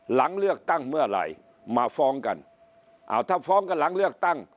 หลังเลือกตั้งเมื่อไหร่มาฟ้องกันอ้าวถ้าฟ้องกันหลังเลือกตั้ง